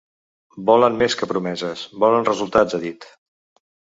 Volen més que promeses, volen resultats, ha dit.